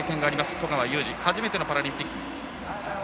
十川裕次、初めてのパラリンピック。